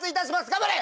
頑張れ！